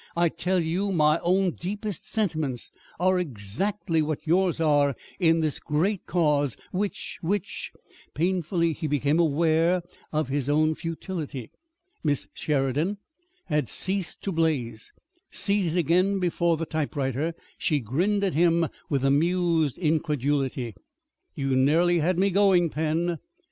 I tell you my own deepest sentiments are exactly what yours are in this great cause which which " Painfully he became aware of his own futility. Miss Sheridan had ceased to blaze. Seated again before the typewriter she grinned at him with amused incredulity. "You nearly had me going, Pen."